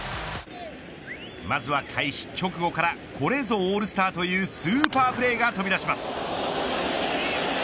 まずは開始直後からこれぞオールスターというスーパープレーが飛び出します。